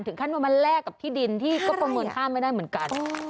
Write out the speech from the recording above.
ขั้นว่ามันแลกกับที่ดินที่ก็ประเมินค่าไม่ได้เหมือนกัน